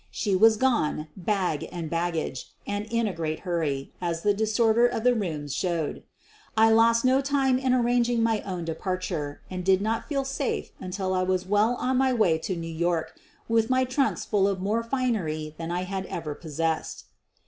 She was gone, bag and baggage — and in a great hurry, as the disorder of the rooms showed. I lost no time in arranging my own departure and did not feel safe until I was well on my way to New York with my trunks full of more finery than I had ever possessed.